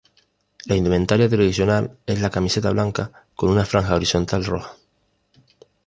La indumentaria tradicional es la camiseta blanca, con una franja horizontal roja.